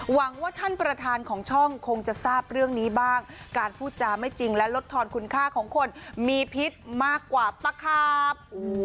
หวังว่าท่านประธานของช่องคงจะทราบเรื่องนี้บ้างการพูดจาไม่จริงและลดทอนคุณค่าของคนมีพิษมากกว่าตะขาบ